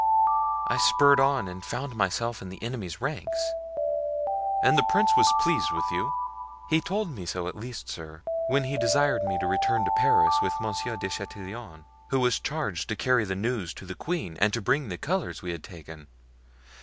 I spurred on and found myself in the enemy's ranks." "And the prince was pleased with you?" "He told me so, at least, sir, when he desired me to return to Paris with Monsieur de Chatillon, who was charged to carry the news to the queen and to bring the colors we had taken.